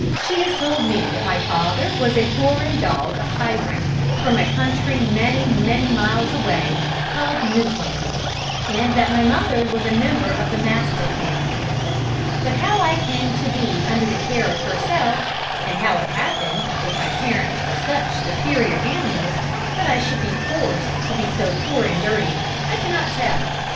She has told me that my father was a foreign dog of high rank; from a country many, many miles away, called Newfoundland, and that my mother was a member of the Mastiff family. But how I came to be under the care of herself, and how it happened, if my parents were such superior animals, that I should be forced to be so poor and dirty, I cannot tell.